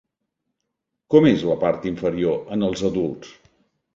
Com és la part inferior en els adults?